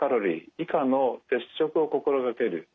以下の節食を心掛ける。